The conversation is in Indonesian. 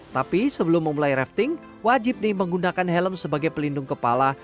tapi sebelum memulai rafting wajib nih menggunakan helm sebagai pelindung kepala